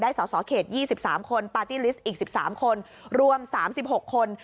ได้สาวสอเขตยี่สิบสามคนอีกสิบสามคนรวมสามสิบหกคน